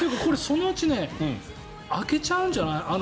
これ、そのうち開けちゃうんじゃない？